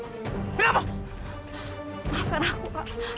maafkan aku pak